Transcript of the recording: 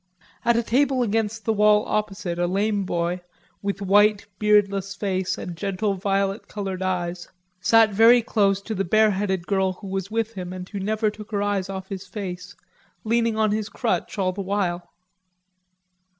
At a table against the wall opposite a lame boy, with white beardless face and gentle violet colored eyes, sat very close to the bareheaded girl who was with him and who never took her eyes off his face, leaning on his crutch all the while.